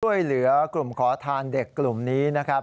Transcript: ช่วยเหลือกลุ่มขอทานเด็กกลุ่มนี้นะครับ